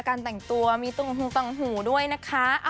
การแต่งตัวมีตึงหูตังหูด้วยนะคะ